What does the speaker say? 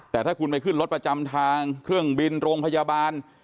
แต่ถ้าคุณไปขึ้นรถประจำทางเครื่องบินโรงพยาบาล